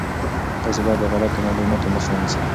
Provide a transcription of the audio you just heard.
تاسي باید د غلطو معلوماتو مخه ونیسئ.